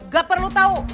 gak perlu tau